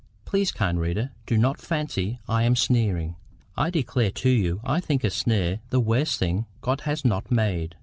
Please, kind reader, do not fancy I am sneering. I declare to you I think a sneer the worst thing God has not made.